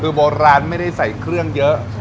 คือโบราณไม่ได้ใส่เครื่องเยอะ